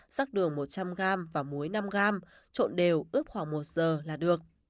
sắc đường một trăm linh g và muối năm g trộn đều ướp khoảng một giờ là được